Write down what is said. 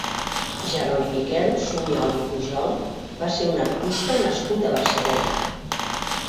Jeroni Miquel Suñol i Pujol va ser un artista nascut a Barcelona.